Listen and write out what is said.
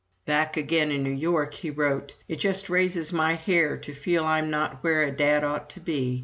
Back again in New York, he wrote: "It just raises my hair to feel I'm not where a Dad ought to be.